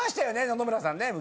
野々村さん。